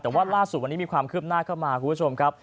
แต่ว่าล่าสุดวันนี้มีความคืบหน้าเข้ามาคุณผู้ชมครับ